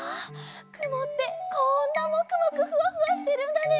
くもってこんなもくもくふわふわしてるんだね。